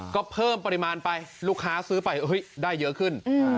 ก็เพิ่มปริมาณไปลูกค้าซื้อไปได้เยอะขึ้น